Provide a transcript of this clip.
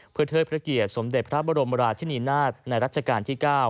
เพื่อเทิดพระเกียรติสมเด็จพระบรมราชินีนาฏในรัชกาลที่๙